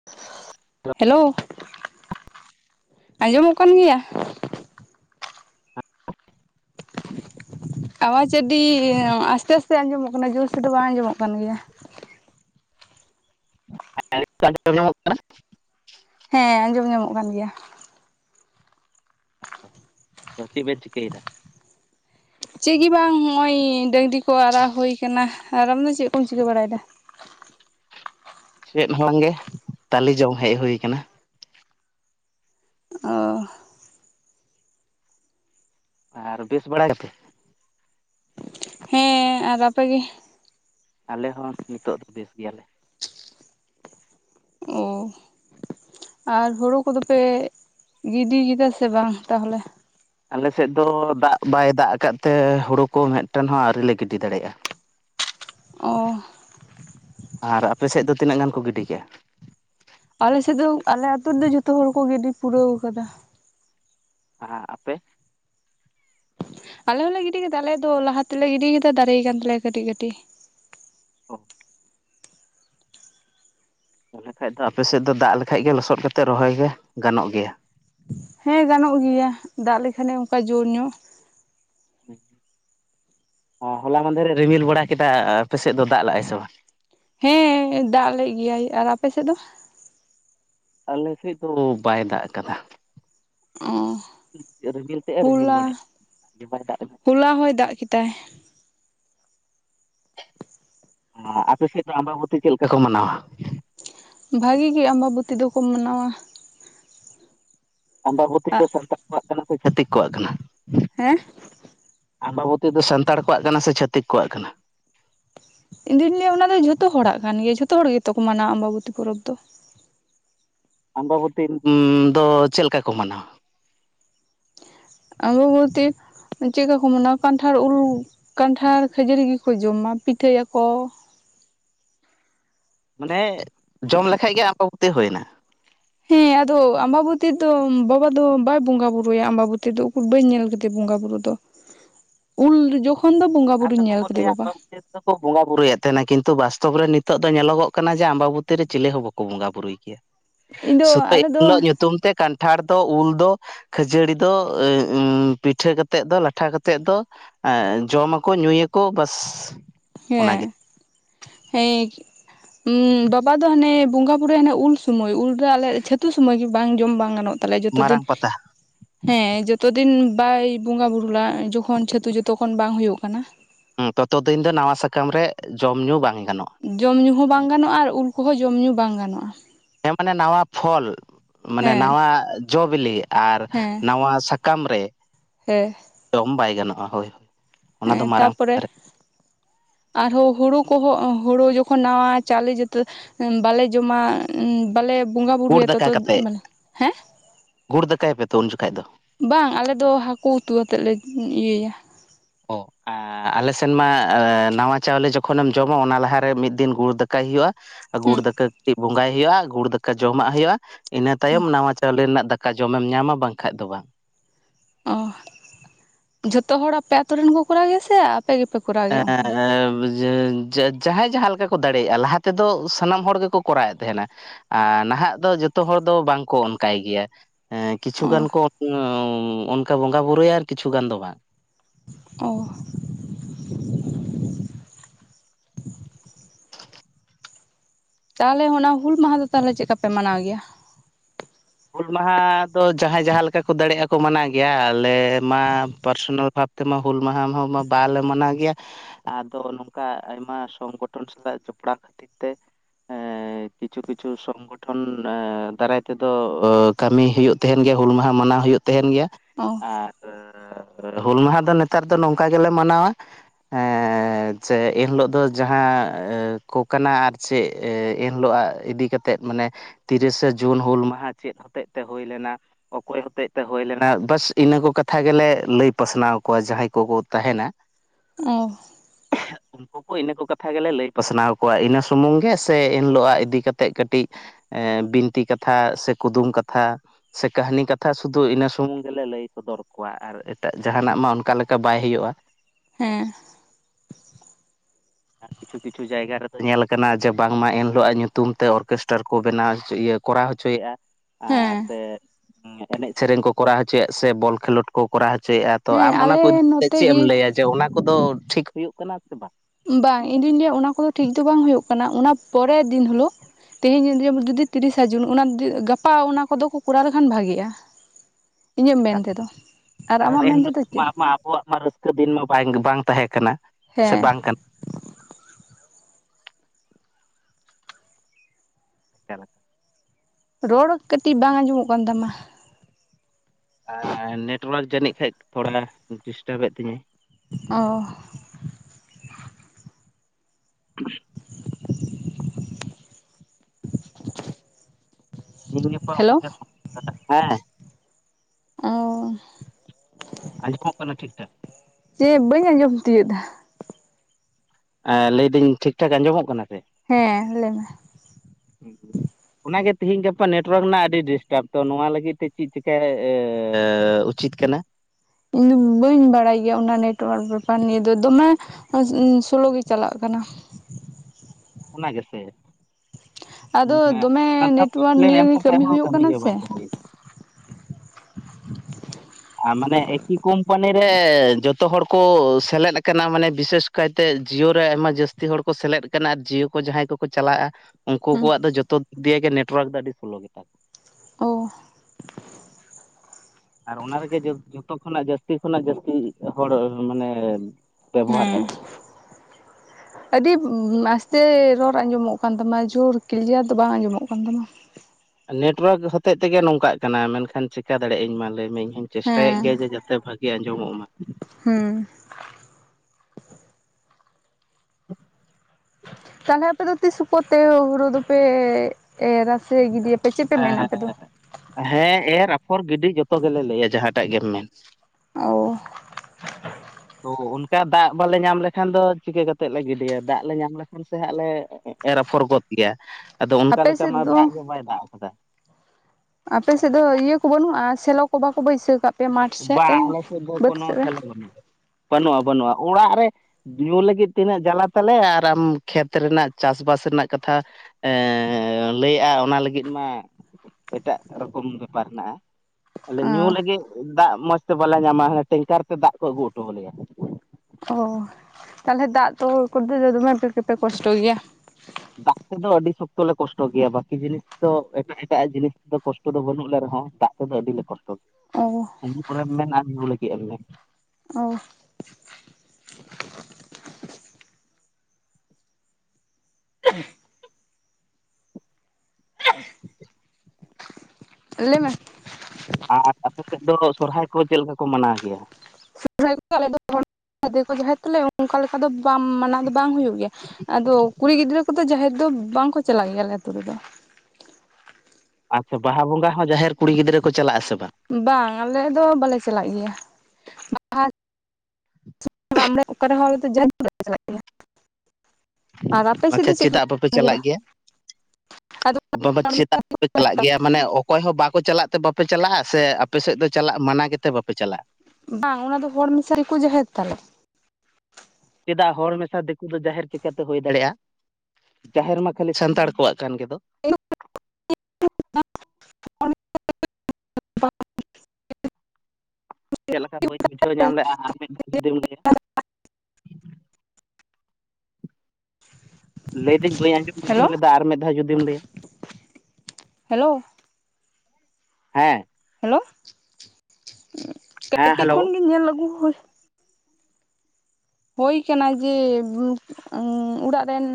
[inaudible] Hello ᱟᱸᱡᱚᱢᱚᱜ ᱠᱟᱱ ᱜᱮᱭᱟ [inaudible] ᱟᱣᱟᱡᱽᱟᱹ ᱟᱹᱰᱤ ᱟᱥᱛᱮ ᱟᱥᱛᱮ ᱟᱸᱡᱚᱢᱚᱜ ᱠᱟᱱᱟ ᱡᱳᱨ ᱥᱮ ᱫᱚ ᱵᱟᱝ ᱟᱸᱡᱚᱢᱚᱜ ᱠᱟᱱ ᱜᱮᱭᱟ [unintelligible] ᱠᱟᱱᱟ ᱦᱮᱸ ᱟᱸᱡᱚᱢ ᱧᱟᱢᱚᱜ ᱠᱟᱱ ᱜᱮᱭᱟ ᱪᱮᱫ ᱵᱮᱱ ᱪᱤᱠᱟᱹᱭᱮᱫᱟ ᱪᱮᱫ ᱜᱮ ᱵᱟᱝ ᱱᱚᱜ ᱚᱭ ᱰᱟᱹᱝᱨᱤ ᱠᱚ ᱟᱨᱟᱜ ᱦᱩᱳᱭᱠᱟᱱᱟ ᱟᱨᱟᱢ ᱫᱚ ᱪᱮᱫ ᱠᱚᱢ ᱪᱤᱠᱟᱹ ᱵᱟᱲᱟᱭᱮᱫᱟ ᱪᱮᱫ ᱦᱚᱞᱟᱝ ᱜᱮ ᱛᱟᱞᱮ ᱡᱚᱝ ᱦᱮᱡ ᱦᱳᱭ ᱟᱠᱟᱱᱟ ᱚ ᱟᱨ ᱵᱮᱥ ᱵᱟᱲᱟ ᱜᱮᱛᱚ ᱦᱮᱸ ᱟᱨ ᱟᱯᱮ ᱜᱮ ᱟᱞᱮ ᱦᱚᱸ ᱱᱤᱛᱚᱜ ᱫᱚ ᱵᱮᱥ ᱜᱮᱭᱟᱞᱮ ᱚ‌ ᱟᱨ ᱦᱳᱲᱳ ᱠᱚᱫᱚ ᱯᱮ ᱜᱤᱰᱤ ᱠᱮᱫᱟ ᱥᱮ ᱵᱟᱝ ᱛᱟᱦᱚᱞᱮ ᱟᱞᱮ ᱥᱮᱫ ᱫᱚ ᱫᱟᱜ ᱵᱟᱭ ᱫᱟᱜ ᱟᱠᱟᱫ ᱛᱮ ᱦᱳᱲᱳ ᱠᱚ ᱢᱮᱫᱴᱟᱱ ᱦᱚᱸ ᱟᱣᱨᱤᱞᱮ ᱜᱤᱰᱤ ᱫᱟᱲᱮᱭᱟᱜᱼᱟ ᱚ ᱟᱨ ᱟᱯᱮ ᱥᱮᱫ ᱫᱚ ᱛᱤᱱᱟᱹᱜ ᱜᱟᱱ ᱠᱚ ᱜᱤᱰᱤ ᱠᱮᱜᱟ ᱟᱞᱮᱥᱮᱫ ᱫᱚ ᱟᱞᱮ ᱟᱛᱳ ᱨᱮᱫᱚ ᱡᱚᱛᱚ ᱦᱚᱲ ᱠᱚ ᱜᱤᱰᱤ ᱯᱩᱨᱟᱹᱣ ᱟᱠᱟᱫᱟ ᱟᱯᱮ ᱟᱞᱮ ᱦᱚᱸᱞᱮ ᱜᱤᱰᱤ ᱠᱟᱫᱟ ᱟᱞᱮ ᱫᱚ ᱞᱟᱦᱟ ᱛᱮᱞᱮ ᱜᱤᱰᱤ ᱠᱟᱫᱟ ᱫᱟᱨᱮ ᱠᱟᱱ ᱛᱟᱞᱮᱭᱟ ᱠᱟᱴᱤᱡ ᱠᱟᱹᱴᱤᱡ ᱚ ᱛᱟᱦᱚᱞᱮ ᱠᱷᱟᱱ ᱫᱚ ᱟᱯᱮᱥᱮᱫ ᱫᱚ ᱫᱟᱜ ᱞᱮᱠᱷᱟᱡ ᱜᱮ ᱞᱚᱥᱚᱫ ᱠᱟᱛᱮᱫ ᱨᱚᱦᱚᱭ ᱜᱮ ᱜᱟᱱᱚᱜ ᱜᱮᱭᱟ ᱦᱮᱸ ᱜᱟᱱᱚᱜ ᱜᱮᱭᱟ ᱫᱟᱜ ᱞᱮᱠᱷᱟᱱᱮ ᱚᱱᱠᱟ ᱡᱳᱨ ᱧᱚᱜ ᱦᱚᱞᱟ ᱢᱟᱸᱫᱷᱮᱨ ᱨᱮ ᱨᱤᱢᱤᱞ ᱵᱟᱲᱟ ᱠᱮᱫᱟ ᱟᱯ ᱥᱮᱫ ᱫᱚ ᱫᱟᱜ ᱞᱟᱜᱟᱭ ᱥᱮ ᱵᱟᱝ ᱦᱮᱸ ᱫᱟᱜ ᱞᱮᱫ ᱜᱮᱭᱟᱭ ᱟᱨ ᱟᱯᱮ ᱥᱮᱫ ᱫᱚ ᱟᱞᱮ ᱥᱮᱫ ᱫᱚ ᱵᱟᱭ ᱫᱟᱜ ᱟᱠᱟᱫᱟ ᱚ ᱨᱤᱜᱤᱞ ᱛᱮᱫᱮ ᱨᱤᱢᱤᱞ ᱦᱚᱞᱟ ᱵᱟᱲᱟᱭᱮᱫ ᱵᱟᱭ ᱫᱟᱜ ᱦᱚᱞᱟ ᱦᱚᱭ ᱫᱟᱜ ᱠᱮᱫᱟᱭ ᱟᱯᱮ ᱥᱮᱫ ᱫᱚ ᱟᱢᱵᱟᱵᱚᱛᱤ ᱪᱮᱫ ᱞᱮᱠᱟ ᱠᱚ ᱢᱟᱱᱟᱣᱟ ᱵᱷᱟᱜᱤ ᱜᱮ ᱟᱢᱵᱟᱵᱚᱛᱤ ᱫᱚᱠᱚ ᱢᱟᱱᱟᱣᱟ ᱟᱵᱟᱵᱚᱛᱤ ᱫᱚ ᱟᱜ ᱥᱟᱱᱛᱟᱲ ᱠᱚᱣᱟᱜ ᱠᱟᱱᱟ ᱥᱮ ᱪᱷᱟᱹᱛᱤᱠ ᱠᱚᱣᱟᱜ ᱠᱟᱱᱟ ᱦᱮᱸ ᱟᱢᱵᱟᱵᱚᱛᱤ ᱫᱚ ᱥᱟᱱᱛᱟᱲ ᱠᱚᱣᱟᱜ ᱠᱟᱱᱟ ᱥᱮ ᱪᱷᱟᱹᱛᱤᱠ ᱠᱚᱣᱟᱜ ᱠᱟᱱᱟ ᱤᱧ ᱫᱩᱧ ᱞᱟᱹᱭᱟ ᱚᱱᱟ ᱫᱚ ᱡᱷᱚᱛᱚ ᱦᱚᱲᱟᱜ ᱠᱟᱱ ᱜᱮᱭᱟ ᱡᱷᱚᱛᱚ ᱦᱚᱲ ᱜᱮᱛᱚ ᱠᱚ ᱢᱟᱱᱟᱣᱟ ᱟᱢᱵᱟᱵᱚᱛᱤ ᱯᱚᱨᱚᱵᱽ ᱫᱚ ᱟᱢᱵᱟᱵᱚᱛᱤ ᱫᱚ ᱪᱮᱫ ᱞᱮᱠᱟ ᱠᱚ ᱢᱟᱱᱟᱣᱟ ᱟᱢᱵᱟᱵᱚᱛᱤ ᱪᱮᱫᱠᱟ ᱠᱚ ᱢᱟᱱᱟᱣᱟ ᱠᱟᱱᱴᱷᱟᱲ ᱩᱞ ᱠᱟᱱᱴᱷᱟᱲ ᱠᱷᱟᱹᱡᱟᱹᱲᱤ ᱜᱮ ᱠᱚ ᱡᱚᱢᱟ ᱯᱤᱴᱷᱟᱹᱭᱟᱠᱚ ᱢᱟᱱᱮ ᱡᱚᱢ ᱞᱮᱠᱷᱟᱡ ᱜᱮ ᱟᱢᱵᱟᱵᱚᱛᱤ ᱦᱩᱭᱱᱟ ᱦᱮᱸ ᱟᱫᱚ ᱟᱢᱵᱟᱵᱚᱛᱤ ᱫᱚ ᱵᱟᱵᱟ ᱫᱚ ᱵᱟᱭ ᱵᱚᱸᱜᱟ ᱵᱩᱨᱩᱭᱟ ᱟᱢᱵᱟᱵᱚᱛᱤ ᱫᱚ ᱩᱠᱩᱨ ᱵᱟᱹᱧ ᱧᱮᱞ ᱠᱟᱫᱮᱭᱟ ᱵᱚᱸᱜᱟ ᱵᱩᱨᱩ ᱫᱚ [unintelligible] ᱩᱞ ᱡᱚᱠᱷᱚᱱ ᱫᱚ ᱵᱚᱸᱜᱟ ᱟᱫᱚ ᱵᱩᱨᱩᱧ ᱧᱮᱞ ᱠᱮᱫᱮ ᱞᱟᱹᱭᱟ ᱵᱟᱵᱟ ᱟᱢᱵᱟᱵᱚᱛᱤ ᱫᱚᱠᱚ ᱵᱚᱸᱜᱟ ᱵᱩᱨᱩᱭᱮᱫ ᱛᱟᱦᱮᱱᱟ ᱠᱤᱱᱛᱩ ᱵᱟᱥᱛᱚᱵ ᱨᱮ ᱱᱤᱛᱚᱜ ᱫᱚ ᱧᱮᱞᱚᱜ ᱠᱟᱱᱟ ᱡᱮ ᱟᱢᱵᱟᱵᱚᱛᱤ ᱨᱮ ᱪᱤᱞᱤ ᱦᱚᱸ ᱵᱟᱠᱚ ᱵᱚᱸᱜᱟ ᱵᱩᱨᱩᱭ ᱤᱧ ᱫᱚ ᱥᱩᱛᱟᱹ ᱟᱞᱮ ᱫᱚ ᱮᱱᱦᱤᱞᱳᱜ ᱧᱩᱛᱩᱢ ᱛᱮ ᱠᱟᱱᱴᱷᱟᱲ ᱫᱚ ᱩᱞ ᱫᱚ ᱠᱷᱟᱹᱡᱟᱹᱲᱤ ᱫᱚ ᱯᱤᱴᱷᱟᱹ ᱠᱟᱛᱮᱫ ᱫᱚ ᱞᱟᱴᱷᱟ ᱠᱟᱛᱮᱫ ᱫᱚ ᱡᱚᱢᱟ ᱠᱚ ᱧᱩᱭᱟᱠᱚ ᱵᱟᱥ ᱦᱮᱸ ᱚᱱᱟᱜᱮ ᱦᱮᱸ ᱵᱟᱵᱟ ᱫᱚ ᱦᱟᱱᱮ ᱵᱚᱸᱜᱟ ᱵᱩᱨᱩᱭᱟ ᱦᱟᱱᱮ ᱩᱞ ᱥᱚᱢᱚᱭ ᱩᱞ ᱨᱮ ᱟᱞᱮ ᱪᱷᱟᱹᱛᱩ ᱥᱩᱢᱚᱭ ᱜᱮ ᱵᱟᱝ ᱡᱚᱢ ᱵᱟᱝ ᱜᱟᱱᱚᱜ ᱛᱟᱦᱞᱮ ᱡᱚᱛᱚ ᱫᱤᱱ ᱢᱟᱨᱟᱝ ᱯᱟᱛᱟ ᱦᱮᱸ ᱡᱚᱛᱚ ᱫᱤᱱ ᱵᱟᱭ ᱵᱚᱸᱜᱟ ᱵᱩᱨᱩ [inaudible] ᱡᱚᱠᱷᱚᱱ ᱪᱷᱟᱹᱛᱩ ᱡᱚᱛᱚᱠᱷᱚᱱ ᱵᱟᱝ ᱦᱩᱭᱩᱜ ᱠᱟᱱᱟ ᱛᱚᱛᱚ ᱫᱤᱱ ᱫᱚ ᱱᱟᱣᱟ ᱥᱟᱠᱟᱢ ᱨᱮ ᱡᱚᱢ ᱧᱩ ᱵᱟᱝ ᱜᱟᱱᱚᱜᱼᱟ ᱡᱚᱢ ᱧᱩ ᱦᱚᱸ ᱵᱟᱝ ᱜᱟᱱᱚᱜᱼᱟ ᱟᱨ ᱩᱞ ᱠᱚᱦᱚᱸ ᱡᱚᱢ ᱧᱩ ᱵᱟᱝ ᱜᱟᱱᱚᱜᱼᱟ ᱦᱮᱸ ᱢᱟᱱᱮ ᱱᱟᱣᱟ ᱯᱷᱚᱞ ᱢᱟᱱᱮ ᱦᱮᱸ ᱱᱟᱣᱟ ᱡᱚ ᱵᱤᱞᱤ ᱟᱨ ᱦᱮᱸ ᱱᱟᱣᱟ ᱥᱟ ᱥᱟᱠᱟᱢ ᱨᱮ ᱦᱮᱸ ᱡᱚᱢ ᱵᱟᱭ ᱜᱟᱱᱚᱜᱼᱟ ᱦᱳᱭ ᱚᱱᱟ ᱫᱚ ᱦᱮᱸ ᱢᱟᱨᱟᱝ ᱛᱟᱨᱯᱚᱨᱮ ᱟᱨᱦᱚᱸ ᱦᱩᱲᱩ ᱠᱚᱦᱚᱸ ᱦᱳᱲᱳ ᱡᱚᱠᱷᱚᱱ ᱱᱟᱣᱟ ᱪᱟᱣᱞᱮ ᱡᱚᱛᱚ ᱵᱟᱞᱮ ᱡᱚᱢᱟ ᱵᱟᱞᱮ ᱵᱚᱸᱜᱟ ᱜᱩᱲ ᱵᱩᱨᱩᱭᱟ ᱫᱟᱠᱟ ᱛᱚᱛᱚ ᱠᱟᱛᱮᱫ ᱢᱮ ᱦᱮᱸ ᱜᱩᱲ ᱫᱟᱠᱟᱭᱟᱯᱮ ᱛᱚ ᱩᱱ ᱡᱚᱷᱟᱡ ᱫᱚ ᱵᱟᱝ ᱟᱞᱮ ᱫᱚ ᱦᱟᱹᱠᱩ ᱩᱛᱩ ᱟᱛᱮᱫ ᱞᱮ ᱤᱭᱟᱹᱭᱟ ᱚ ᱟᱞᱮ ᱥᱮᱱ ᱢᱟ ᱱᱟᱣᱟ ᱪᱟᱣᱞᱮ ᱡᱚᱠᱷᱚᱱᱮᱢ ᱡᱚᱢᱟ ᱚᱱᱟ ᱞᱟᱦᱟ ᱨᱮ ᱢᱤᱫ ᱫᱤᱱ ᱜᱩᱲ ᱫᱟᱠᱟᱭ ᱦᱩᱭᱩᱜᱼᱟ ᱜᱩᱲ ᱦᱩᱸ ᱫᱟᱠᱟ ᱠᱟᱹᱴᱤᱡ ᱵᱚᱸᱜᱟᱭ ᱦᱩᱭᱩᱜᱼᱟ ᱜᱩᱲ ᱫᱟᱠᱟ ᱡᱚᱢᱟᱜ ᱦᱩᱭᱩᱜᱼᱟ ᱤᱱᱟᱹ ᱛᱟᱭᱚᱢ ᱱᱟᱣᱟ ᱪᱟᱣᱞᱮ ᱨᱮᱱᱟᱜ ᱫᱟᱠᱟ ᱡᱚᱢᱮᱢ ᱧᱟᱢᱟ ᱵᱟᱝᱠᱟᱟᱡ ᱫᱚ ᱵᱟᱝ ᱚ ᱡᱷᱚᱛᱚ ᱦᱚᱲ ᱟᱯᱮ ᱟᱛᱳ ᱨᱮᱱ ᱠᱚ ᱠᱚᱨᱟᱣ ᱜᱮᱭᱟ ᱥᱮ ᱟᱯᱮ ᱜᱮᱯᱮ ᱠᱚᱨᱟᱣ ᱜᱮᱭᱟ ᱮᱸ ᱚᱱᱠᱟ ᱮᱸ ᱡᱮ ᱡᱟᱦᱟᱸᱭ ᱡᱟᱦᱟᱸ ᱞᱮᱠᱟ ᱠᱚ ᱫᱟᱲᱮᱭᱟᱜᱼᱟ ᱞᱟᱦᱟ ᱛᱮᱫᱚ ᱥᱟᱱᱟᱢ ᱦᱚᱲ ᱜᱮᱠᱚ ᱠᱚᱨᱟᱣᱮᱫ ᱛᱟᱦᱮᱱᱟ ᱟᱨ ᱱᱟᱦᱟᱜ ᱫᱚ ᱡᱚᱛᱚ ᱦᱚᱲ ᱫᱚ ᱵᱟᱝ ᱠᱚ ᱚᱱᱠᱟᱭ ᱜᱮᱭᱟ ᱠᱤᱪᱷᱩ ᱜᱟᱱ ᱚ ᱠᱚ ᱚᱱᱠᱟ ᱵᱚᱸᱜᱟ ᱵᱩᱨᱩᱭᱟ ᱟᱨ ᱠᱤᱪᱷᱩ ᱜᱟᱱ ᱫᱚ ᱵᱟᱝ ᱚ ᱛᱟᱦᱚᱞᱮ ᱚᱱᱟ ᱦᱩᱞ ᱢᱟᱦᱟ ᱫᱚ ᱛᱟᱦᱚᱞᱮ ᱪᱮᱫ ᱞᱮᱠᱟ ᱯᱮ ᱢᱟᱱᱟᱣ ᱜᱮᱭᱟ ᱦᱩᱞ ᱢᱟᱦᱟ ᱫᱚ ᱡᱟᱦᱟᱸᱭ ᱡᱟᱦᱟᱸ ᱞᱮᱠᱟ ᱠᱚ ᱫᱟᱲᱮᱭᱟᱜᱼᱟ ᱠᱚ ᱢᱟᱱᱟ ᱜᱮᱭᱟ ᱟᱞᱮ ᱢᱟ ᱯᱟᱨᱥᱚᱱᱟᱞ ᱵᱷᱟᱵᱛᱮᱢᱟ ᱦᱩᱞ ᱢᱟᱦᱟ ᱦᱚᱸ ᱵᱟᱞᱮ ᱢᱟᱱᱟᱣ ᱜᱮᱭᱟ ᱟᱫᱚ ᱱᱚᱝᱠᱟ ᱟᱭᱢᱟ ᱥᱚᱝᱜᱚᱴᱷᱚᱱ ᱥᱟᱞᱟᱜ ᱡᱚᱯᱲᱟᱣ ᱠᱷᱟᱹᱛᱤᱨ ᱛᱮ ᱮ ᱠᱤᱪᱷᱩ ᱠᱤᱪᱷᱩ ᱥᱚᱝᱜᱚᱴᱷᱚᱱ ᱫᱟᱨᱟᱭ ᱛᱮᱫᱚ ᱫᱚ ᱠᱟᱹᱢᱤ ᱦᱩᱭᱩᱜ ᱛᱟᱦᱮᱱ ᱜᱮᱭᱟ ᱦᱩᱞ ᱢᱟᱦᱟ ᱢᱟᱱᱟᱣ ᱦᱩᱭᱩᱜ ᱛᱟᱦᱮᱱ ᱜᱮᱭᱟ ᱚ ᱟᱨ ᱦᱩᱞ ᱢᱟᱦᱟ ᱫᱚ ᱱᱮᱛᱟᱨ ᱫᱚ ᱱᱚᱝᱠᱟ ᱜᱮᱞᱮ ᱢᱟᱱᱟᱣᱟ ᱮ ᱮᱱᱦᱤᱞᱳᱜ ᱫᱚ ᱡᱟᱦᱟᱸ ᱠᱚ ᱠᱟᱱᱟ ᱟᱨ ᱪᱮᱫ ᱮᱱᱦᱤᱞᱳᱜ ᱟᱜ ᱤᱫᱤ ᱠᱟᱛᱮᱫ ᱢᱟᱱᱮ ᱛᱤᱨᱤᱥᱮ ᱡᱩᱱ ᱦᱩᱞ ᱢᱟᱦᱟ ᱪᱮᱫ ᱦᱚᱛᱮᱡ ᱛᱮ ᱦᱩᱭ ᱞᱮᱱᱟ ᱚᱠᱚᱭ ᱦᱚᱛᱮᱡ ᱛᱮ ᱦᱩᱭ ᱞᱮᱱᱟ ᱵᱟᱥ ᱤᱱᱟᱹᱠᱚ ᱠᱟᱛᱷᱟ ᱜᱮᱞᱮ ᱞᱟᱹᱭ ᱯᱟᱥᱱᱟᱣ ᱠᱚᱣᱟ ᱡᱟᱦᱟᱸᱭ ᱠᱚ ᱠᱚ ᱛᱟᱦᱮᱱᱟ [unintelligible] ᱚ [unintelligible] ᱩᱱᱠᱩ ᱠᱚ ᱤᱱᱟᱹ ᱠᱚ ᱠᱟᱛᱷᱟ ᱜᱮᱞᱮ ᱞᱟᱹᱭ ᱯᱟᱥᱱᱟᱣ ᱟᱠᱚᱣᱟ᱾ ᱤᱱᱟᱹ ᱥᱩᱢᱩᱝ ᱜᱮ ᱥᱮ ᱮᱱᱦᱤᱞᱳᱜᱼᱟᱜ ᱤᱫᱤ ᱠᱟᱛᱮᱜ ᱠᱟᱹᱴᱤᱡ ᱮ ᱵᱤᱱᱛᱤ ᱠᱟᱛᱷᱟ ᱥᱮ ᱠᱩᱫᱩᱢ ᱠᱟᱛᱷᱟ᱾ ᱥᱮ ᱠᱟᱹᱦᱱᱤ ᱠᱟᱛᱷᱟ ᱥᱩᱫᱷᱩ ᱤᱱᱟᱹ ᱥᱩᱢᱩᱝ ᱜᱮᱞᱮ ᱞᱟᱹᱭ ᱥᱚᱫᱚᱨ ᱟᱠᱚᱣᱟ ᱟᱨ ᱟᱨ ᱮᱴᱟᱜ ᱡᱟᱦᱟᱱᱟᱜ ᱢᱟ ᱚᱱᱠᱟ ᱞᱮᱠᱟ ᱵᱟᱭ ᱦᱳᱭᱳᱜᱼᱟ᱾ ᱦᱮᱸ᱾ ᱟᱨ ᱠᱤᱪᱷᱩ ᱠᱤᱪᱷᱩ ᱡᱟᱭᱜᱟ ᱨᱮᱫᱚ ᱧᱮᱞ ᱟᱠᱟᱱᱟ ᱡᱮ ᱵᱟᱝᱢᱟ ᱮᱱᱦᱤᱞᱚᱜ ᱧᱩᱛᱩᱢ ᱛᱮ ᱚᱨᱠᱮᱥᱴᱟᱨ ᱠᱚ ᱵᱮᱱᱟᱣ ᱤᱭᱟᱹ ᱠᱚᱨᱟᱣ ᱦᱚᱪᱚᱭᱮᱫᱼᱟ᱾ ᱦᱮᱸ ᱥᱮ ᱮᱱᱮᱡ ᱥᱮᱨᱮᱧ ᱠᱚ ᱠᱚᱨᱟᱣ ᱦᱚᱪᱚᱭᱮᱫ ᱥᱮ ᱵᱚᱞ ᱠᱷᱮᱸᱞᱳᱰ ᱠᱚ ᱠᱚ ᱠᱚᱨᱟᱣ ᱦᱚᱪᱚᱭᱮᱫᱼᱟ᱾ ᱛᱚ ᱦᱮᱸ ᱟᱢ ᱚᱱᱟ ᱠᱚ ᱤᱫᱤ ᱟᱞᱮ ᱠᱛᱮᱫ ᱱᱚᱛᱮ ᱪᱮᱫ ᱮᱢ ᱜᱮ ᱞᱟᱹᱭᱟ ᱡᱮ ᱚᱱᱟ ᱠᱚᱫᱚ ᱴᱷᱤᱠ ᱦᱩᱭᱩᱜ ᱠᱟᱱᱟ ᱥᱮ ᱵᱟᱝ? ᱵᱟᱝ ᱤᱧᱫᱩᱧ ᱞᱟᱹᱭᱟ ᱚᱱᱟ ᱠᱚᱫᱚ ᱴᱷᱤᱠ ᱫᱚ ᱵᱟᱝ ᱦᱳᱭᱳᱜ ᱠᱟᱱᱟ᱾ ᱚᱱᱟ ᱯᱚᱨᱮᱨ ᱫᱤᱱ ᱦᱤᱞᱳᱜ ᱛᱮᱦᱮᱧ ᱡᱩᱫᱤ ᱡᱮᱢᱚᱱ ᱛᱤᱨᱤᱥᱟ ᱡᱩᱱ ᱚᱱᱟ ᱜᱟᱯᱟ ᱚᱱᱟ ᱠᱚᱫᱚ ᱠᱚ ᱠᱚᱨᱟᱣ ᱞᱮᱠᱷᱟᱱ ᱵᱷᱟᱜᱮᱜᱼᱟ᱾ ᱟᱨ ᱠᱟᱨᱚᱱ ᱟᱢᱟᱜ ᱢᱮᱱ ᱛᱮᱫᱚ ᱮᱱᱦᱤᱞᱳᱜ ᱪᱮᱫ ᱢᱟ ᱟᱵᱚᱣᱟᱜ ᱢᱟ ᱨᱟᱹᱥᱠᱟᱹ ᱫᱤᱱ ᱢᱟ ᱵᱟᱭ ᱵᱟᱝ ᱛᱟᱦᱮᱸ ᱠᱟᱱᱟ ᱥᱮ ᱦᱮᱸ ᱵᱟᱝ ᱠᱟᱱᱟ᱾ ᱪᱟᱞᱟᱜ ᱨᱚᱲ ᱠᱟᱹᱴᱤᱡ ᱵᱟᱝ ᱟᱸᱡᱚᱢᱚᱜ ᱠᱟᱱ ᱛᱟᱢᱟ᱾ ᱟᱨ ᱱᱮᱴᱚᱣᱟᱨᱠ ᱡᱟᱹᱱᱤᱡ ᱠᱷᱟᱱ ᱛᱷᱚᱲᱟ ᱰᱤᱥᱴᱟᱵ ᱮᱫ ᱛᱤᱧᱟᱹᱭ᱾ ᱚ᱾ [unintelligible] ᱛᱤᱦᱤᱧ ᱜᱟᱯᱟ ᱦᱮᱞᱳ ᱦᱮᱸ ᱚ ᱟᱸᱡᱚᱢᱚᱜ ᱠᱟᱱᱟ ᱴᱷᱤᱠᱴᱷᱟᱠ᱾ ᱪᱮᱫ ᱵᱟᱹᱧ ᱟᱸᱡᱚᱢ ᱛᱤᱭᱟᱹᱜ ᱮᱫᱟ᱾ ᱞᱟᱹᱭ ᱮᱫᱟᱹᱧ ᱴᱷᱤᱠ ᱴᱷᱟᱠ ᱟᱸᱡᱚᱢᱚᱜ ᱠᱟᱱᱟ ᱥᱮ ᱦᱮᱸ ᱞᱟᱹᱭ ᱢᱮ᱾ ᱦᱮᱸ ᱦᱮᱸ᱾ ᱚᱱᱟᱜᱮ ᱛᱤᱦᱤᱧ ᱜᱟᱯᱟ ᱱᱮᱴᱚᱣᱟᱨᱠ ᱨᱮᱱᱟᱜ ᱟᱹᱰᱤ ᱰᱤᱥᱴᱟᱵ ᱛᱚ ᱱᱚᱣᱟ ᱞᱟᱹᱜᱤᱫ ᱛᱮ ᱪᱮᱫ ᱪᱤᱠᱟᱭ ᱩᱪᱤᱛ ᱠᱟᱱᱟ? ᱤᱧ ᱫᱚ ᱵᱟᱹᱧ ᱵᱟᱲᱟᱭ ᱜᱮᱭᱟ ᱚᱱᱟ ᱱᱮᱴᱚᱣᱟᱨᱠ ᱵᱮᱯᱟᱨ ᱱᱤᱭᱟᱹ ᱫᱚ ᱫᱚᱢᱮ ᱥᱳᱞᱳ ᱜᱮ ᱪᱟᱞᱟᱜ ᱠᱟᱱᱟ᱾ ᱚᱱᱟ ᱜᱮᱥᱮ᱾ ᱟᱫᱚ [unintelligible] ᱫᱚᱢᱮ ᱱᱮᱴᱣᱟᱨᱠ ᱱᱤᱭᱮ ᱮᱢ ᱜᱮ ᱦᱚᱯᱮ ᱠᱟᱹᱢᱤ ᱮᱢᱟ ᱟᱠᱚ ᱦᱩᱭᱩᱜ ᱠᱟᱱ ᱠᱟᱱᱟ ᱜᱮᱭᱟ ᱥᱮ [unintelligible] ᱟᱨ ᱢᱟᱱᱮ ᱮᱠᱤ ᱠᱳᱢᱯᱟᱱᱤ ᱨᱮ ᱡᱚᱛᱚ ᱦᱚᱲ ᱠᱚ ᱥᱮᱞᱮᱫ ᱟᱠᱟᱱᱟ᱾ ᱢᱟᱱᱮ ᱵᱤᱥᱮᱥ ᱠᱟᱭᱛᱮ ᱡᱤᱭᱳ ᱨᱮ ᱟᱭᱢᱟ ᱡᱟᱹᱥᱛᱤ ᱦᱚᱲ ᱠᱚ ᱥᱮᱞᱮᱫ ᱠᱟᱱᱟ᱾ ᱟᱨ ᱡᱤᱭᱳ ᱠᱚ ᱡᱟᱦᱟᱸᱭ ᱠᱚᱠᱚ ᱪᱟᱞᱟᱣ ᱮᱜᱼᱟ ᱩᱱᱠᱩ ᱦᱮᱸ ᱠᱚᱣᱟᱜ ᱫᱚ ᱡᱚᱛᱚ ᱫᱤᱠ ᱫᱤᱭᱮ ᱜᱮ ᱱᱮᱴᱚᱣᱟᱨᱠ ᱫᱚ ᱟᱹᱰᱤ ᱥᱞᱳ ᱜᱮ ᱛᱟᱠᱚᱣᱟ᱾ ᱚ᱾ ᱟᱨ ᱚᱱᱟ ᱨᱮᱜᱮ ᱡᱚᱛᱚ ᱠᱷᱚᱱᱟᱜ ᱡᱟᱹᱥᱛᱤ ᱠᱷᱚᱱᱟᱜ ᱡᱟᱹᱥᱛᱤ ᱦᱚᱲ ᱢᱟᱱᱮ ᱵᱮᱵᱚᱦᱟᱨᱮᱫᱼᱟ ᱦᱮᱸ᱾ ᱠᱚ [unintelligible] ᱟᱹᱰᱤ ᱟᱥᱛᱮ ᱨᱚᱲ ᱟᱸᱡᱚᱢᱚᱜ ᱠᱟᱱ ᱛᱟᱢᱟ᱾ ᱡᱳᱨ ᱠᱞᱤᱭᱟᱨ ᱫᱚ ᱵᱟᱝ ᱟᱸᱡᱚᱢᱚᱜ ᱠᱟᱱ ᱛᱟᱢᱟ᱾ ᱱᱮᱴᱚᱣᱟᱨᱠ ᱦᱚᱛᱮᱡ ᱛᱮᱜᱮ ᱱᱚᱝᱠᱟᱜ ᱠᱟᱱᱟ᱾ ᱢᱮᱱᱠᱷᱟᱱ ᱪᱮᱠᱟ ᱫᱟᱲᱮᱭᱟᱜ ᱟᱹᱧ ᱢᱟ ᱞᱟᱹᱭᱢᱮ ᱤᱧᱦᱚᱧ ᱪᱮᱥᱴᱟᱭᱮᱫ ᱦᱮᱸ ᱜᱮᱭᱟ ᱡᱮ ᱡᱟᱛᱮ ᱵᱷᱟᱹᱜᱤ ᱟᱸᱡᱚᱢᱚᱜ ᱢᱟ᱾ ᱦᱩᱸ᱾ [unintelligible] ᱛᱟᱦᱚᱞᱮ ᱟᱯᱮ ᱫᱚ ᱛᱤᱥ ᱠᱚᱛᱮ ᱦᱳᱲᱳ ᱫᱚᱯᱮ ᱮᱨᱟ ᱥᱮ ᱜᱤᱰᱤᱭᱟᱯᱮ ᱪᱮᱫ ᱯᱮ ᱢᱮᱱᱟ ᱟᱯᱮ ᱫᱚ? ᱦᱮᱸ ᱮᱨ, ᱟᱯᱷᱚᱨ, ᱜᱤᱰᱤ ᱡᱚᱛᱚ ᱜᱮᱞᱮ ᱞᱟᱹᱭᱟ ᱡᱟᱦᱟᱸᱴᱟᱜ ᱜᱮᱢ ᱢᱮᱱ᱾ ᱚ ᱛᱚ ᱚᱱᱠᱟ ᱫᱟᱜ ᱵᱟᱞᱮ ᱧᱟᱢ ᱞᱮᱠᱷᱟᱱ ᱫᱚ ᱪᱤᱠᱟᱹ ᱠᱟᱛᱮᱫ ᱞᱮ ᱜᱤᱰᱤᱭᱟ? ᱫᱟᱜ ᱞᱮ ᱧᱟᱢ ᱞᱮᱠᱷᱟᱱ ᱥᱮ ᱦᱟᱸᱜ ᱞᱮ ᱮᱨ ᱟᱯᱷᱚᱨ ᱜᱚᱫ ᱜᱮᱭᱟ᱾ ᱟᱫᱚ ᱚᱱᱠᱟ ᱟᱯᱮ ᱞᱮᱠᱟ ᱥᱮᱫ ᱢᱟ ᱫᱚ ᱫᱟᱜ ᱜᱮ ᱵᱟᱭ ᱫᱟᱜ ᱟᱠᱟᱫᱟ᱾ ᱟᱯᱮ ᱥᱮᱫ ᱫᱚ ᱤᱭᱟᱹ ᱠᱚ ᱵᱟᱹᱱᱩᱜᱼᱟ ᱥᱮᱞᱚ ᱠᱚ? ᱵᱟᱠᱚ ᱵᱟᱹᱭᱥᱟᱹᱣ ᱠᱟᱜ ᱯᱮᱭᱟ ᱢᱟᱴᱷ ᱥᱮᱫ ᱨᱮ ᱵᱟᱝ ᱟᱞᱮ ᱥᱮᱫ ᱫᱚ ᱵᱟᱹᱫᱽ ᱠᱳᱱᱳ ᱥᱮᱫ ᱨᱮ? ᱥᱮᱞᱚ ᱵᱟᱹᱱᱩᱜᱼᱟ ᱵᱟᱹᱱᱩᱜᱼᱟ ᱵᱟᱹᱱᱩᱜᱼᱟ᱾ ᱚᱲᱟᱜ ᱨᱮ ᱧᱩ ᱞᱟᱹᱜᱤᱫ ᱛᱤᱱᱟᱹᱜ ᱡᱟᱞᱟ ᱛᱟᱞᱮ, ᱟᱨ ᱟᱢ ᱠᱷᱮᱛ ᱨᱮᱱᱟᱜ ᱪᱟᱥᱵᱟᱥ ᱨᱮᱱᱟᱜ ᱠᱟᱛᱷᱟ ᱮ ᱞᱟᱹᱭᱮᱜᱼᱟ ᱚᱱᱟ ᱞᱟᱹᱜᱤᱫ ᱢᱟ ᱮᱴᱟᱜ ᱨᱚᱠᱚᱢ ᱵᱮᱯᱟᱨ ᱦᱮᱱᱟᱜᱼᱟ᱾ ᱟᱞᱮ ᱧᱩ ᱚ ᱞᱟᱹᱜᱤᱫ ᱫᱟᱜ ᱢᱚᱡᱽ ᱛᱮ ᱵᱟᱞᱮ ᱧᱟᱢᱟ ᱦᱟᱱᱮ ᱴᱮᱝᱠᱟᱨ ᱛᱮ ᱫᱟᱜ ᱠᱚ ᱟᱹᱜᱩ ᱦᱚᱴᱚ ᱟᱫᱮᱭᱟ ᱚ ᱛᱟᱞᱦᱮ ᱫᱟᱜ ᱛᱮᱫᱚ ᱫᱚᱢᱮ ᱜᱮᱯᱮ ᱠᱚᱥᱴᱚ ᱜᱮᱭᱟ ᱫᱟᱜ ᱛᱮᱫᱚ ᱟᱹᱰᱤ ᱥᱚᱠᱛᱚ ᱞᱮ ᱠᱚᱥᱴᱚ ᱜᱮᱭᱟ ᱵᱟᱹᱠᱤ ᱡᱤᱱᱤᱥ ᱫᱚ ᱮᱴᱟᱜ ᱮᱴᱟᱜ ᱡᱤᱱᱤᱥ ᱫᱚ ᱠᱚᱥᱴᱚ ᱠᱚᱥᱴᱚ ᱫᱚ ᱵᱟᱹᱱᱩᱜ ᱞᱮ ᱨᱮᱦᱚᱸ ᱫᱟᱜ ᱛᱮᱫᱚ ᱟᱹᱰᱤᱞᱮ ᱠᱚᱥᱴᱚ ᱜᱮᱭᱟ ᱚ ᱩᱱ ᱠᱚᱨᱮᱢ ᱢᱮᱱᱟ ᱨ ᱠᱮᱫᱼᱟ ᱞᱮ [unintelligible] ᱚ [inaudible] ᱞᱟᱹᱭ ᱢᱮ ᱟᱨ ᱟᱯᱮ ᱥᱮᱫ ᱫᱚ ᱥᱚᱨᱦᱟᱭ ᱠᱚ ᱪᱮᱫ ᱞᱮᱠᱟ ᱠᱚ ᱢᱟᱱᱟᱣ ᱜᱮᱭᱟ ᱟᱞᱮ ᱫᱚ ᱟᱫᱚ [unintelligible] ᱛᱟᱞᱮ ᱚᱱᱠᱟ ᱞᱮᱠᱟ ᱫᱚ ᱵᱟᱢ ᱢᱟᱱᱟᱣ ᱫᱚ ᱵᱟᱝ ᱦᱩᱭᱩᱜ ᱜᱮᱭᱟ᱾ ᱟᱫᱚ ᱠᱩᱲᱤ ᱜᱤᱫᱽᱨᱟᱹ ᱠᱚ ᱚᱫᱚ ᱡᱟᱦᱮᱨ ᱫᱚ ᱵᱟᱝ ᱠᱚ ᱪᱟᱞᱟᱜ ᱜᱮᱭᱟ ᱟᱞᱮ ᱟᱛᱩ ᱨᱮᱫᱚ᱾ ᱟᱪᱪᱷᱟ ᱵᱟᱦᱟ ᱵᱚᱸᱜᱟ ᱦᱚᱸ ᱡᱟᱦᱮᱨ ᱠᱩᱲᱤ ᱜᱤᱫᱽᱨᱟᱹ ᱠᱚ ᱪᱟᱞᱟᱜᱼᱟ ᱥᱮ ᱵᱟ? ᱵᱟᱝ ᱟᱞᱮ ᱫᱚ ᱵᱟᱞᱮ ᱪᱟᱞᱟᱜ ᱜᱮᱭᱟ ᱚᱠᱟᱨᱮ ᱦᱚᱲ ᱫᱚ [unintelligible] ᱟᱨ ᱟᱯᱮ ᱥᱮᱫ ᱟᱪᱪᱷᱟ ᱫᱚ ᱪᱮᱫ ᱠᱚ ᱪᱮᱫᱟᱜ ᱟᱯᱮᱯᱮ ᱪᱟᱞᱟᱜ ᱟᱫᱚ ᱜᱮᱭᱟ? ᱵᱟᱵᱟ ᱪᱮᱫ ᱯᱮ ᱪᱟᱞᱟᱜ ᱜᱮᱭᱟ? ᱢᱟᱱᱮ ᱚᱠᱚᱭ ᱦᱚᱸ ᱵᱟᱠᱚ ᱪᱟᱞᱟᱜ ᱛᱮ ᱵᱟᱯᱮ ᱪᱟᱞᱟᱜᱼᱟ ᱥᱮ ᱟᱯᱮ ᱥᱮᱫ ᱫᱚ ᱪᱟᱞᱟᱜ ᱢᱟᱱᱟ ᱜᱮᱛᱮ ᱵᱟᱯᱮ ᱪᱟᱞᱟᱜᱼᱟ? ᱵᱟᱝ ᱚᱱᱟ ᱫᱚ ᱦᱚᱲ ᱢᱮᱥᱟ ᱫᱤᱠᱩ ᱠᱚ ᱡᱟᱦᱮᱨ ᱛᱟᱞᱮ ᱪᱮᱫᱟᱜ ᱦᱚᱲ ᱢᱮᱥᱟ ᱫᱤᱠᱩ ᱫᱚ ᱡᱟᱦᱮᱨ ᱪᱤᱠᱟᱹᱛᱮ ᱦᱩᱭ ᱫᱟᱲᱮᱭᱟᱜᱼᱟ? ᱡᱟᱦᱮᱨ ᱢᱟ ᱠᱷᱟᱹᱞᱤ ᱥᱟᱱᱛᱟᱲ ᱠᱚᱣᱟᱜ ᱠᱟᱱ ᱜᱮᱫᱚ ᱪᱮᱫ ᱞᱮᱠᱟ ᱵᱟᱹᱧ ᱵᱩᱡᱷᱟᱹᱣ ᱧᱟᱢ ᱞᱮᱜᱼᱟ ᱟᱨ ᱢᱤᱫ ᱫᱷᱟᱣ ᱡᱩᱫᱤᱢ ᱞᱟᱹᱭᱟ ᱞᱟᱹᱭ ᱫᱟᱹᱧ ᱵᱟᱹᱧ ᱟᱸᱚᱢ ᱵᱡᱟᱹᱣ ᱦᱮᱞᱳ ᱞᱮᱫᱟ ᱟᱨ ᱢᱤᱫ ᱫᱷᱟᱣ ᱡᱩᱤᱢ ᱞᱟᱹᱭᱟ ᱦᱮᱞᱳ ᱦᱮᱸ ᱦᱮᱞᱳ ᱦᱮᱸ ᱠᱟᱹᱴᱤᱡ ᱦᱮᱞᱳ ᱠᱷᱚᱱ ᱜᱮᱧ ᱧᱮᱞ ᱟᱹᱜᱩ ᱦᱳᱭ ᱠᱟᱱᱟ ᱡᱮ ᱚᱲᱟᱜ ᱨᱮᱱ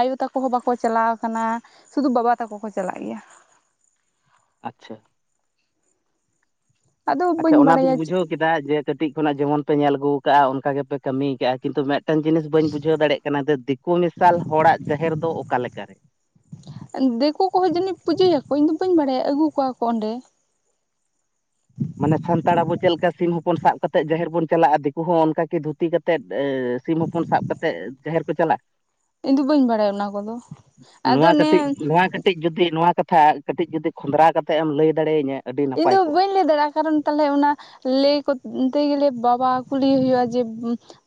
ᱟᱭᱳ ᱛᱟᱠᱚ ᱦᱚᱸ ᱵᱟᱠᱚ ᱪᱟᱞᱟᱣ ᱠᱟᱱᱟ ᱥᱩᱫᱷᱩ ᱵᱟᱵᱟ ᱛᱟᱠᱚ ᱠᱚ ᱪᱟᱞᱟᱜ ᱜᱮᱭᱟ ᱟᱪᱪᱷᱟ ᱟᱫᱚ ᱟᱪᱪᱷᱟ ᱵᱟᱹᱧ ᱚᱱᱟ ᱫᱩᱧ ᱵᱟᱲᱟᱭᱟ ᱵᱩᱡᱷᱟᱹᱣ ᱠᱮᱫᱟ ᱡᱮ ᱠᱟᱹᱴᱤᱡ ᱠᱷᱚᱱᱟᱜ ᱡᱮᱢᱚᱱ ᱯᱮ ᱧᱮᱞ ᱟᱹᱜᱩ ᱠᱟᱜᱼᱟ ᱚᱱᱠᱟ ᱜᱮᱯᱮ ᱠᱟᱹᱢᱤ ᱠᱟᱜᱼᱟ ᱠᱤᱱᱛᱩ ᱢᱤᱫᱴᱟᱝ ᱡᱤᱱᱤᱥ ᱵᱟᱹᱧ ᱵᱩᱡᱷᱟᱹᱣ ᱫᱟᱲᱮᱜ ᱠᱟᱱᱟ ᱡᱮ ᱫᱤᱠᱩ ᱢᱮᱤᱥᱟᱞ ᱦᱚᱲᱼᱟᱜ ᱡᱟᱦᱮᱨ ᱫᱚ ᱚᱠᱟ ᱞᱮᱠᱟ ᱨᱮ ᱫᱤᱠᱩ ᱠᱚᱦᱚᱸ ᱡᱟᱹᱱᱤᱡ ᱯᱩᱡᱟᱹᱭ ᱟᱠᱚ ᱤᱧ ᱫᱚ ᱵᱟᱹᱧ ᱵᱟᱲᱟᱭᱼ ᱟ ᱟᱹᱜᱩ ᱠᱚᱣᱟ ᱠᱚ ᱚᱸᱰᱮ ᱢᱟᱱᱮ ᱥᱟᱱᱛᱟᱲ ᱟᱵᱚ ᱪᱮᱫ ᱥᱤᱢ ᱦᱚᱯᱚᱱ ᱥᱟᱵ ᱠᱟᱛᱮᱜ ᱡᱟᱦᱮᱨ ᱵᱚᱱ ᱪᱟᱞᱟᱜᱼᱟ ᱫᱤᱠᱩ ᱦᱚᱸ ᱚᱱᱠᱟ ᱠᱤ ᱫᱷᱩᱛᱤ ᱠᱟᱛᱮᱫ ᱥᱤᱢ ᱦᱚᱯᱚᱱ ᱥᱟᱵ ᱠᱟᱛᱮᱫ ᱡᱟᱦᱮᱨ ᱠᱚ ᱪᱟᱞᱟᱜᱼᱟ ᱤᱧ ᱫᱚ ᱵᱟᱹᱧ ᱵᱟᱲᱟᱭᱼᱟ ᱚᱱᱟ ᱠᱚᱫᱚ ᱟᱫᱚ ᱱᱚᱣᱟ ᱠᱟᱹᱴᱤᱡ ᱱᱚᱣᱟ ᱠᱟᱹᱴᱤᱡ ᱡᱩᱫᱤ ᱱᱚᱣᱟ ᱠᱟᱛᱷᱟ ᱠᱟᱹᱴᱤᱡ ᱡᱩᱫᱤ ᱠᱷᱚᱸᱫᱽᱨᱟᱣ ᱠᱟᱛᱮᱫ ᱮᱢ ᱞᱟᱹᱭ ᱫᱟᱲᱮᱟᱹᱧᱼᱟ ᱤᱧ ᱫᱚ ᱵᱟᱹᱧ ᱞᱟᱹᱭ ᱫᱟᱲᱮᱭᱟᱜᱼᱟ ᱠᱟᱨᱚᱱ ᱛᱟᱞᱦᱮ ᱚᱱᱟ ᱞᱟᱹᱭ ᱠᱚᱛᱛᱮ ᱜᱮᱞᱮ ᱵᱟᱵᱟ ᱠᱩᱞᱤᱭᱮ ᱦᱩᱭᱩᱜᱼᱟ ᱡᱮ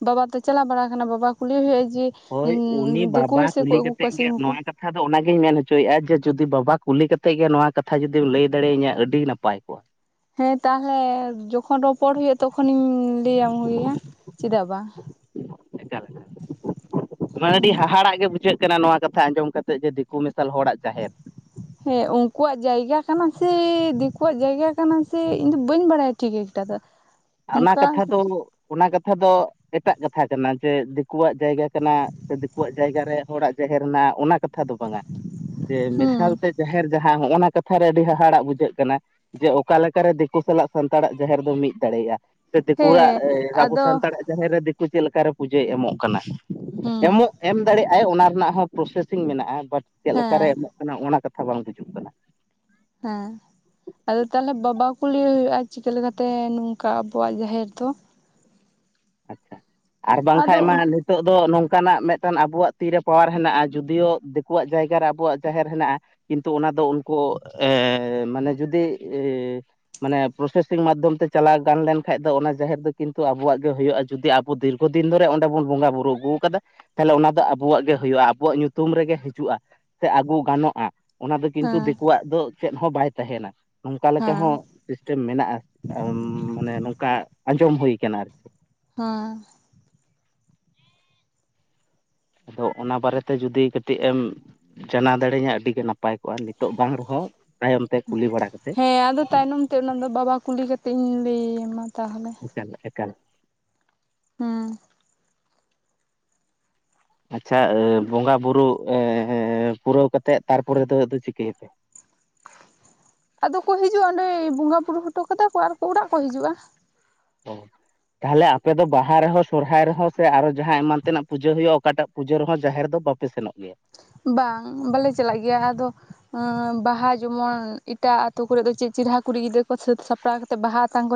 ᱵᱟᱵᱟ ᱛᱮ ᱪᱟᱞᱟᱣ ᱵᱟᱲᱟ ᱠᱟᱱᱟ ᱵᱟᱵᱟ ᱠᱩᱞᱤ ᱦᱩᱭᱩᱜᱼᱟ ᱡᱮ ᱦᱳᱭ ᱩᱱᱤ ᱫᱤᱠᱩ ᱵᱟᱵᱟ ᱦᱚᱸ ᱥᱮᱠᱚ ᱠᱩᱞᱤ ᱟᱹᱜᱩ ᱠᱟᱛᱮᱜ ᱠᱚᱣᱟ ᱜᱮ ᱥᱤᱢ ᱱᱚᱣᱟ ᱠᱚ ᱠᱟᱛᱷᱟ ᱠᱟᱷᱟ ᱫᱚ ᱚᱱᱟᱜᱤᱧ ᱢᱮᱱ ᱦᱚᱪᱚᱭᱮᱜᱼᱟ ᱡᱮ ᱡᱩᱫᱤ ᱵᱟᱵᱟ ᱠᱩᱞᱤ ᱠᱟᱛᱮᱫ ᱜᱮ ᱱᱚᱣᱟ ᱠᱟᱛᱷᱟ ᱡᱩᱫᱤᱢ ᱞᱟᱹᱭ ᱫᱟᱲᱮᱟᱹᱧ ᱟ ᱟᱹᱰᱤ ᱱᱟᱯᱟᱭ ᱠᱚᱜᱼᱟ ᱦᱮᱸ ᱛᱟᱦᱞᱮ ᱡᱚᱠᱷᱚᱱ ᱨᱚᱯᱚᱲ ᱦᱩᱭᱩᱜᱼᱟ ᱛᱚᱠᱷᱚᱱ ᱤᱧ ᱞᱟᱹᱭ ᱟᱢ ᱦᱩᱭᱩᱜᱼᱟ ᱪᱮᱫᱟᱜ ᱵᱟᱝ ᱢᱟᱱ ᱦᱩᱸ ᱟᱹᱰᱤ ᱦᱟᱦᱟᱲᱟᱜ ᱜᱮ ᱵᱩᱡᱷᱟᱹᱜ ᱠᱟᱱᱟ ᱠᱟᱱᱟ ᱱᱚᱣᱟ ᱠᱟᱛᱷᱟ ᱟᱸᱡᱚᱢ ᱠᱟᱛᱮᱫ ᱡᱮ ᱫᱤᱠᱩ ᱢᱮᱥᱟᱞ ᱦᱚᱲᱼᱟᱜ ᱡᱟᱦᱮᱨ ᱦᱮᱸ ᱩᱱᱠᱩᱣᱼᱟᱜ ᱡᱟᱭᱜᱟ ᱠᱟᱱᱟ ᱥᱮ ᱫᱤᱠᱩᱣᱼᱟᱜ ᱡᱟᱭᱜᱟ ᱠᱟᱱᱟ ᱥᱮ ᱤᱧ ᱫᱚ ᱵᱟᱹᱧ ᱵᱟᱲᱟᱭᱟ ᱴᱷᱤᱠ ᱮᱠᱴᱟ ᱫᱚ, ᱦᱟᱱᱟ ᱚᱱᱠᱟ ᱠᱟᱛᱷᱟ ᱫᱚ ᱚᱱᱟ ᱠᱟᱛᱷᱟ ᱫᱚ ᱮᱴᱟᱜ ᱠᱟᱛᱷᱟ ᱠᱟᱱᱟ ᱡᱮ ᱫᱤᱠᱩᱣᱟᱜ ᱡᱟᱭᱜᱟ, ᱥᱮ ᱫᱤᱠᱩᱣᱟᱜ ᱡᱟᱭᱜᱟ ᱨᱮ ᱦᱚᱲᱼᱟᱜ ᱡᱟᱦᱮᱨ ᱢᱮᱱᱟᱜᱼᱟ ᱚᱱᱟ ᱠᱟᱛᱷᱟ ᱫᱚ ᱵᱟᱝᱟ ᱡᱮ ᱢᱮᱥᱟᱞ ᱦᱩᱸ ᱛᱮ, ᱡᱟᱦᱮᱨ ᱡᱟᱦᱟᱸ ᱦᱚᱜᱼᱚᱱᱟ ᱠᱟᱛᱷᱟ ᱨᱮ ᱟᱹᱰᱤ ᱦᱟᱦᱟᱲᱟᱜ ᱵᱩᱡᱷᱟᱹᱜ ᱠᱟᱱᱟ ᱾ ᱡᱮ ᱚᱠᱟ ᱞᱮᱠᱟ ᱨᱮ ᱫᱤᱠᱩ ᱥᱟᱞᱟᱜ ᱥᱟᱱᱛᱟᱲᱟᱜ ᱡᱟᱦᱮᱨ ᱫᱚ ᱢᱤ ᱫ ᱫᱟᱲᱮᱭᱟᱜᱼᱟ ᱥᱮ ᱫᱤᱠᱩᱣᱟᱜ ᱦᱮᱸ ᱟᱵᱚ ᱟᱫᱚ ᱥᱟᱱᱛᱟᱲᱟᱜ ᱡᱟᱦᱮᱨ ᱨᱮ ᱫᱤᱠᱩ ᱪᱮᱫ ᱞᱮᱠᱟᱨᱮ ᱯᱩᱡᱟᱹᱭ ᱮᱢᱚᱜ ᱠᱟᱱᱟ ᱾ ᱦᱩᱸ ᱮᱢᱚᱜ ᱮᱢ ᱫᱟᱲᱮᱭᱟᱜᱼᱟᱭ ᱚᱱᱟ ᱨᱮᱱᱟᱜ ᱦᱚᱸ ᱯᱨᱚᱥᱮᱥᱤᱝ ᱢᱮᱱᱟᱜᱼᱟ ᱵᱟᱴ ᱪᱮᱫ ᱞᱮᱠᱟ ᱨᱮ ᱦᱮᱸ ᱮᱢᱚᱜ, ᱠᱟᱱᱟ ᱚᱱᱟ ᱠᱟᱛᱷᱟ ᱵᱟᱝ ᱦᱩᱤᱡᱩᱜ ᱠᱟᱱᱟ ᱾ ᱦᱮᱸ ᱾ ᱟᱫᱚ ᱛᱟᱦᱚᱞᱮ ᱵᱟᱵᱟ ᱠᱩᱞᱤᱭᱮ ᱦᱩᱭᱩᱜ-ᱟ ᱪᱤᱠᱟᱹ ᱞᱮᱠᱟᱛᱮ ᱱᱚᱝᱠᱟ ᱟᱵᱚᱣᱟᱜ ᱡᱟᱦᱮᱨ ᱫᱚ ᱟᱪᱪᱷᱟ ᱟᱨ ᱟᱫᱚ ᱵᱟᱝᱠᱷᱟᱡ ᱢᱟ ᱱᱤᱛ, ᱱᱤᱛᱚᱜ ᱫᱚ ᱱᱚᱝᱠᱟᱱᱟᱜ ᱢᱤᱫᱴᱟᱝ ᱟᱵᱚᱣᱟᱜ ᱛᱤᱨᱮ ᱯᱟᱣᱟᱨ ᱦᱮᱱᱟᱜᱼᱟ ᱡᱩᱫᱤᱭᱳ ᱫᱤᱠᱩᱣᱟᱜ ᱡᱟᱭᱜᱟ ᱨᱮ ᱟᱵᱚᱣᱟᱜ ᱡᱟᱦᱮᱨ ᱦᱮᱱᱟᱜᱼᱟ ᱾ ᱠᱤᱱᱛᱩ ᱚᱱᱟ ᱫᱚ ᱩᱱᱠᱩ ᱮ ᱢᱟᱱᱮ ᱡᱩᱫᱤ, ᱢᱟᱱᱮ ᱯᱨᱚᱥᱮᱥᱤᱝ ᱢᱟᱫᱽᱫᱷᱚᱢ ᱛᱮ ᱪᱟᱞᱟᱣ ᱜᱟᱱ ᱞᱮᱱᱠᱷᱟᱱᱡ ᱫᱚ ᱚᱱᱟ ᱡᱟᱦᱮᱨ ᱫᱚ ᱠᱤᱱᱛᱩ ᱟᱵᱚᱣᱟᱜ ᱦᱩᱭᱩᱜᱼᱟ ᱾ ᱡᱩᱫᱤ ᱟᱵᱚ ᱫᱤᱨᱜᱷᱚ ᱫᱤᱱ ᱫᱷᱚᱨᱮ ᱚᱸᱰᱮ ᱵᱚᱱ ᱵᱚᱸᱜᱟ ᱵᱩᱨᱩ ᱟᱹᱜᱩ ᱟᱠᱟᱫᱟ, ᱛᱟᱦᱚᱞᱮ ᱚᱱᱟ ᱫᱚ ᱟᱵᱚᱣᱟᱜ ᱜᱮ ᱦᱩᱭᱩᱜᱼᱟ ᱟᱵᱚᱣᱟᱜ ᱧᱩᱛᱩᱢ ᱨᱮᱜᱮ ᱦᱤᱡᱩᱜᱼᱟ ᱥᱮ ᱟᱹᱜᱩ ᱜᱟᱱᱚᱜᱼᱟ ᱾ ᱚᱱᱟ ᱫᱚ ᱠᱤᱱᱛᱩ ᱦᱮᱸ ᱫᱤᱠᱩᱣᱟᱜ ᱫᱚ ᱪᱮᱫ ᱦᱚᱸ ᱵᱟᱭ ᱛᱟᱦᱮᱱᱟ ᱱᱚᱝᱠᱟ ᱞᱮᱠᱟ ᱦᱮᱸ ᱦᱚᱸ, ᱥᱤᱥᱴᱮᱢ ᱢᱮᱱᱟᱜᱼᱟ ᱢᱟᱱᱮ ᱱᱚᱝᱠᱟ ᱟᱸᱡᱚᱢ ᱦᱩᱭ ᱟᱠᱟᱱᱟ ᱟᱨᱠᱤ, ᱦᱮᱸ ᱾ ᱟᱫᱚ ᱚᱱᱟ ᱵᱟᱨᱮᱛᱮ ᱡᱩᱫᱤ ᱠᱟᱹᱴᱤᱡ ᱮᱢ ᱡᱟᱱᱟᱣ ᱫᱟᱲᱮ ᱤᱧᱟᱹ ᱟᱹᱰᱤᱜᱮ ᱱᱟᱯᱟᱭ ᱠᱚᱜᱼᱟ ᱱᱤᱛᱚᱜ ᱵᱟᱝ ᱨᱮᱦᱚᱸ ᱛᱟᱭᱚᱢ ᱛᱮ ᱠᱩᱞᱤ ᱵᱟᱲᱟ ᱠᱟᱛᱮᱫ ᱦᱮᱸ ᱟᱫᱚ ᱛᱟᱭᱱᱚᱢ ᱛᱮ ᱚᱱᱟ ᱫᱚ ᱵᱟᱵᱟ ᱠᱩᱞᱤ ᱠᱟᱛᱮ ᱤᱧ ᱞᱟᱹᱭ ᱟᱢᱟ ᱛᱟᱦᱚᱞᱮ ᱾ ᱮᱠᱟᱞ ᱮᱠᱟᱞ ᱾ ᱦᱩᱸ ᱾ ᱟᱪᱪᱷᱟ ᱵᱚᱸᱜᱟ ᱵᱩᱨᱩ ᱯᱩᱨᱟᱹᱣ ᱠᱟᱛᱮᱫ ᱛᱟᱨᱯᱚᱨᱮ ᱫᱚ ᱟᱫᱚ ᱪᱤᱠᱟᱹᱭᱟᱯᱮ? ᱟᱫᱚ ᱠᱚ ᱦᱤᱡᱩᱜᱼᱟ ᱚᱸᱰᱮ ᱵᱚᱸᱜᱟ ᱵᱩᱨᱩ ᱦᱚᱴᱚ ᱠᱟᱫᱟ ᱠᱚ ᱟᱨ ᱚᱲᱟᱜ ᱠᱚ ᱦᱤᱡᱩᱜᱼᱟ ᱾ ᱛᱟᱦᱚᱞᱮ ᱟᱯᱮ ᱫᱚ ᱵᱟᱦᱟ ᱨᱮᱦᱚᱸ ᱥᱚᱨᱦᱟᱭ ᱨᱮᱦᱚᱸ ᱥᱮ ᱟᱨᱚ ᱡᱟᱦᱟᱸ ᱮᱢᱟᱱ ᱛᱮᱱᱟᱜ ᱯᱩᱡᱟᱹ ᱦᱩᱭᱩᱜᱼᱟ ᱚᱠᱟᱴᱟᱜ ᱯᱩᱡᱟᱹ ᱨᱮᱦᱚᱸ ᱡᱟᱦᱮᱨ ᱫᱚ ᱵᱟᱯᱮ ᱥᱮᱱᱚᱜ ᱜᱮᱭᱟ? ᱵᱟᱝ ᱵᱟᱞᱮ ᱪᱟᱞᱟᱜ ᱜᱮᱭᱟ ᱟᱫᱚ, ᱵᱟᱦᱟ ᱡᱮᱢᱚᱱ ᱮᱴᱟᱜ ᱟᱛᱳ ᱠᱚᱨᱮ ᱫᱚ ᱪᱮᱫ ᱪᱮᱨᱦᱟ ᱠᱩᱲᱤ ᱜᱤᱫᱽᱨᱟᱹ ᱠᱚ ᱥᱟᱹᱛ ᱥᱟᱯᱲᱟᱣ ᱠᱟᱛᱮᱫ ᱵᱟᱦᱟ ᱟᱛᱟᱝ ᱠᱚ